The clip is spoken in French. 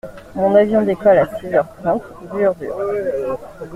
Mon avion décolle à six heure trente, dur dur!